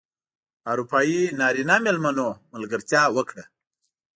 اروپايي نرینه مېلمنو ملګرتیا وکړه.